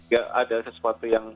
ya ada sesuatu yang